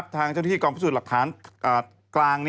ทางเจ้าหน้าที่กองพิสูจน์หลักฐานกลาง